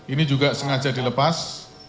ini juga sengaja dilepas